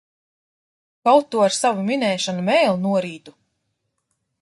Kaut tu ar savu minēšanu mēli norītu!